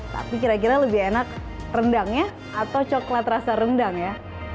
tapi kira kira lebih enak rendangnya atau coklat rasa rendang ya